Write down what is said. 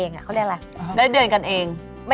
สวัสดีครับ